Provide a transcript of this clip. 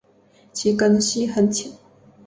其根系很浅。